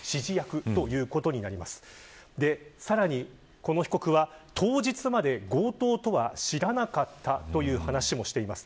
この被告は当日まで強盗とは知らなかったと話しています。